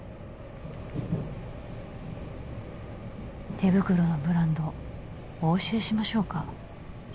手袋のブランドお教えしましょうか？